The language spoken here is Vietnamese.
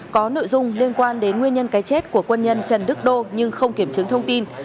có nội dung liên quan đến nguyên nhân cái chết của quân nhân trần đức đô nhưng không kiểm chứng thông tin